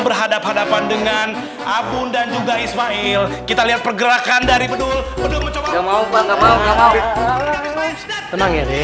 berhadapan dengan abun dan juga ismail kita lihat pergerakan dari bedul bedul mencoba